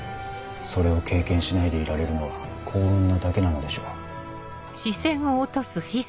それを経験しないでいられるのは幸運なだけなのでしょう。